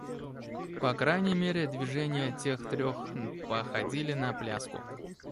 По крайней мере, движения тех трех походили на пляску.